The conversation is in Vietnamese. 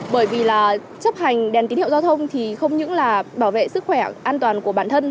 bởi vì là chấp hành đèn tín hiệu giao thông thì không những là bảo vệ sức khỏe an toàn của bản thân